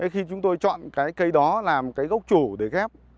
khi chúng tôi chọn cái cây đó làm cái gốc chủ để ghép